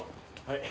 はい。